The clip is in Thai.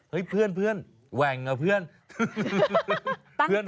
เฮ้ยเพื่อนแหวนนะเพื่อน